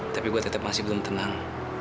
tapi gue tetap masih belum tenang